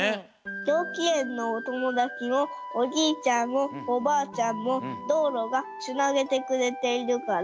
ようちえんのおともだちもおじいちゃんもおばあちゃんもどうろがつなげてくれているから。